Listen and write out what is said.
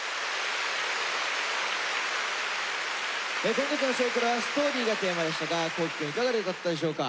今月の「少クラ」は「ＳＴＯＲＹ」がテーマでしたが皇輝くんいかがだったでしょうか？